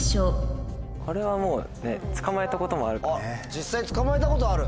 実際に捕まえたことある。